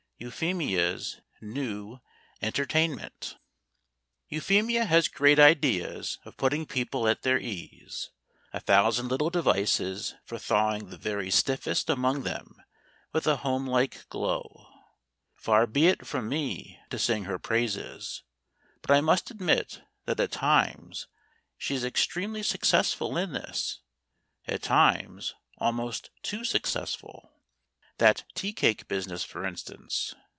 EUPHEMIA'S NEW ENTERTAINMENT Euphemia has great ideas of putting people at their ease, a thousand little devices for thawing the very stiffest among them with a home like glow. Far be it from me to sing her praises, but I must admit that at times she is extremely successful in this at times almost too successful. That tea cake business, for instance.